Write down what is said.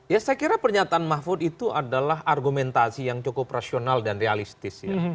ya saya kira pernyataan mahfud itu adalah argumentasi yang cukup rasional dan realistis ya